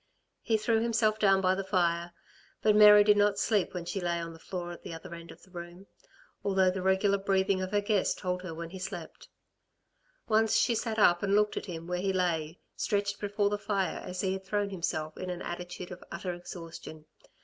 He threw himself down before the fire. But Mary did not sleep when she lay on the floor at the other end of the room, although the regular breathing of her guest told her when he slept. Once she sat up and looked at him where he lay stretched before the fire as he had thrown himself in an attitude of utter exhaustion.